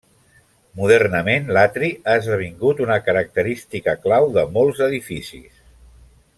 Modernament l'atri ha esdevingut una característica clau de molts edificis.